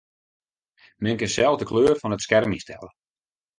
Men kin sels de kleur fan it skerm ynstelle.